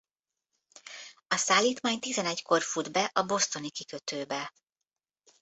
A szállítmány tizenegykor fut be a bostoni kikötőbe.